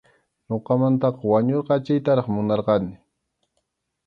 Ñuqamantaqa wañurqachiytaraq munarqani.